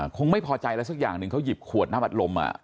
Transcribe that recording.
คงไม่พอใจอะไรสักอย่างนึงเขามัดหลม